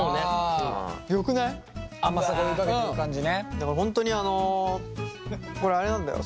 でも本当にあのこれあれなんだよ